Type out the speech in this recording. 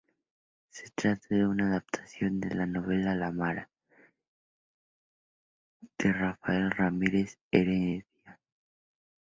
Se trata de una adaptación de la novela "La Mara", de Rafael Ramírez Heredia.